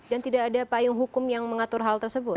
dan tidak ada apa yang hukum yang mengatur hal tersebut